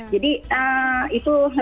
jadi itu lagi